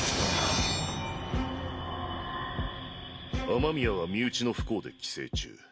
雨宮は身内の不幸で帰省中。